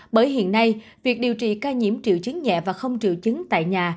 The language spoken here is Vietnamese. bởi hiện nay việc điều trị ca nhiễm triệu chứng nhẹ và không triệu chứng tại nhà